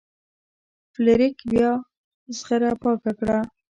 فلیریک بیا زغره پاکه کړه.